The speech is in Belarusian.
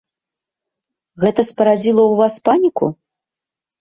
Гэта спарадзіла ў вас паніку?